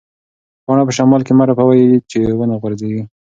پاڼه په شمال کې مه رپوئ چې ونه غوځېږي.